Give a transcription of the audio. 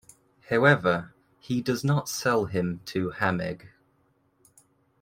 However, he does not sell him to Hamegg.